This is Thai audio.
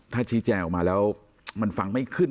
ถ้าชี้แจงออกมาแล้วมันฟังไม่ขึ้น